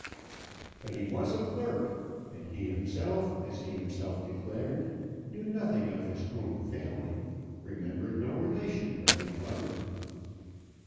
But he was a clerk, and he himself, as he himself declared, knew nothing of his own family, remembered no relation but his mother.